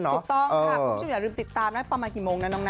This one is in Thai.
ถูกต้องอย่าลืมติดตามประมาณกี่โมงนะน้องนา